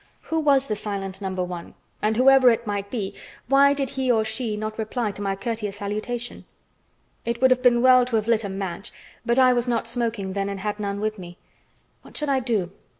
Who was the silent No. 1, and, whoever it might be, why did he or she not reply to my courteous salutation? It would have been well to have lit a match, but I was not smoking then and had none with me. What should I do?